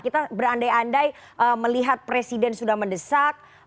kita berandai andai melihat presiden sudah mendesak